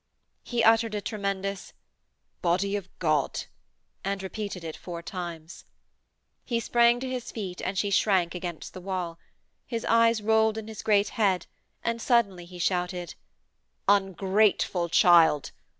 He uttered a tremendous: 'Body of God,' and repeated it four times. He sprang to his feet and she shrank against the wall. His eyes rolled in his great head, and suddenly he shouted: 'Ungrateful child.